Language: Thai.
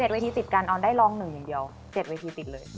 ๗วาทีติดกันออนได้ร่องหนึ่งเดียว๗วาทีติดเลย